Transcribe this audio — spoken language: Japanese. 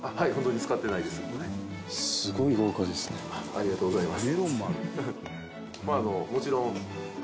ありがとうございます。